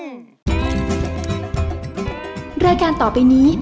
สวัสดีครับ